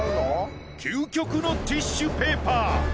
究極のティッシュペーパー。